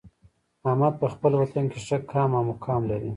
احمد په خپل وطن کې ښه قام او مقام لري.